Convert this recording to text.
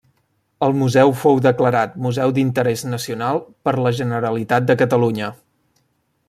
El museu fou declarat museu d'interès nacional per la Generalitat de Catalunya.